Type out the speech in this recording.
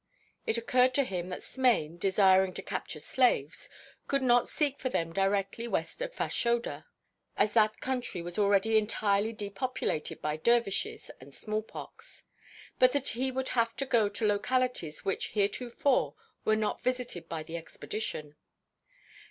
It occurred to him that Smain, desiring to capture slaves, could not seek for them directly west of Fashoda, as that country was already entirely depopulated by dervishes and small pox; but that he would have to go to localities which heretofore were not visited by an expedition.